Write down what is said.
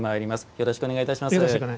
よろしくお願いします。